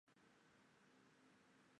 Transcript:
是世界上人口第二多的国家。